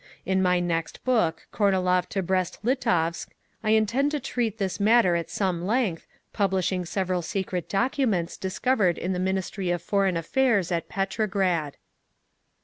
In my next book, "Kornilov to Brest Litovsk," I intend to treat this matter at some length, publishing several secret documents discovered in the Ministry of Foreign Affairs at Petrograd.